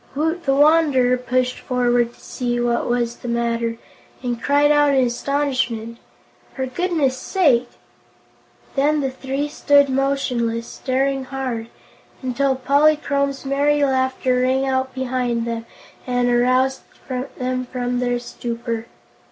Woot the Wanderer pushed forward to see what was the matter, and cried out in astonishment: "For goodness' sake!" Then the three stood motionless, staring hard, until Polychrome's merry laughter rang out behind them and aroused them from their stupor.